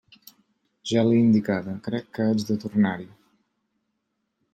Ja l'he indicada; crec que haig de tornar-hi.